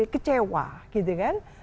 kecewa gitu kan